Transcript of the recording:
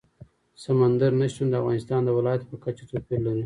سمندر نه شتون د افغانستان د ولایاتو په کچه توپیر لري.